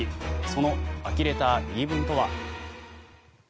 そのあきれた言い分とは。